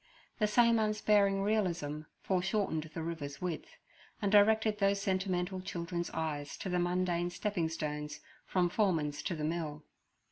The same unsparing realism foreshortened the river's width, and directed those sentimental children's eyes to the mundane stepping stones from Foreman's to the mill.